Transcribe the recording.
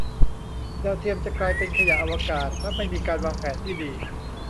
ดาวเทียม จะกลายเป็นขยะอวกาศ ถ้าไม่มีการวางแผนที่ดี